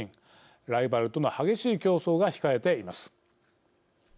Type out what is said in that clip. ライバルとの激しい競争が控えています。